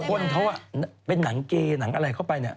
เพราะว่าเป็นหนังเกหนังอะไรเข้าไปเนี่ย